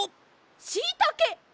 しいたけ！